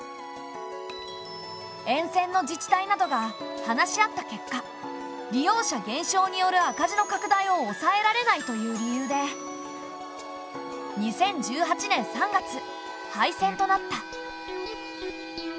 沿線の自治体などが話し合った結果利用者減少による赤字の拡大を抑えられないという理由で２０１８年３月廃線となった。